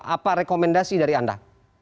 apa rekomendasi dari anda